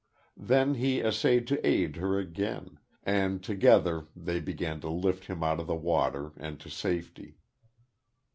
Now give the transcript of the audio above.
Then he essayed to aid her again; and together they began to lift him out of the water, and to safety.